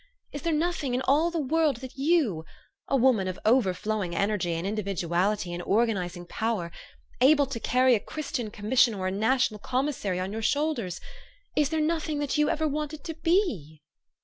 Is there nothing in all the world that you, a wo man of overflowing energy and individuality, and organizing power, able to carry a Christian com mission or a national commissary on your shoulders, is there nothing that you ever wanted to be?